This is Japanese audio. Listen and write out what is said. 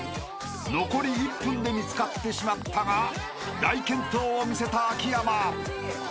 ［残り１分で見つかってしまったが大健闘を見せた秋山］